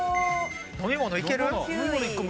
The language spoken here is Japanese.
飲み物いける？